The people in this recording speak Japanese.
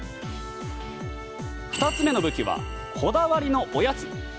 ２つ目の武器はこだわりのおやつ。